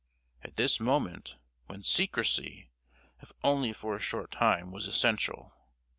At this moment, when secrecy, if only for a short time, was essential!